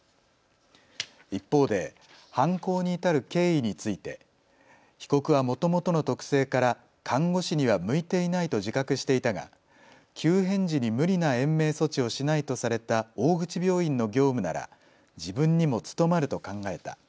一方で犯行に至る経緯について被告はもともとの特性から看護師には向いていないと自覚していたが急変時に無理な延命措置をしないとされた大口病院の業務なら自分にも務まると考えた。